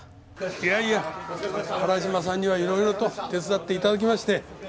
いやいや原島さんにはいろいろと手伝っていただきまして。